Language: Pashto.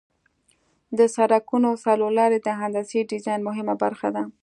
د سرکونو څلور لارې د هندسي ډیزاین مهمه برخه ده